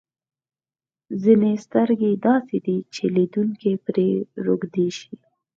ځینې سترګې داسې دي چې لیدونکی پرې روږدی شي.